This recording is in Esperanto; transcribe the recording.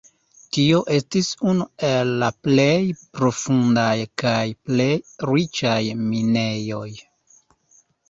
Tio estis unu el la plej profundaj kaj plej riĉaj minejoj.